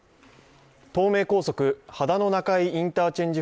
東名高速秦野中井インターチェンジ